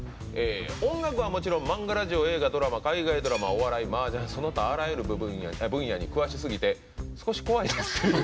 音楽はもちろん、漫画、ラジオ映画、ドラマ、海外ドラマお笑い、マージャンその他あらゆる分野に詳しすぎて少し怖いです。